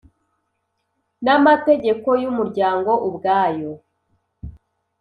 n amategeko y umuryango ubwayo